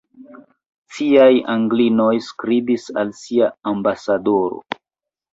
Ciaj Anglinoj skribis al sia ambasadoro.